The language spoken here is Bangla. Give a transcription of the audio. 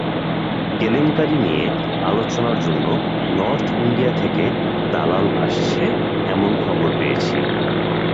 কেলেঙ্কারি নিয়ে আলোচনার জন্য নর্থ ইন্ডিয়া থেকে দালাল আসছে এমন খবর পেয়েছি।